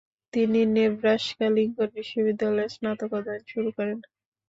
তিনি নেব্রাস্কা-লিঙ্কন বিশ্ববিদ্যালয়ে স্নাতক অধ্যয়ন শুরু করেন।